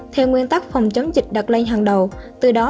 theo nguyên tắc phòng chống dịch đặt lên hàng đầu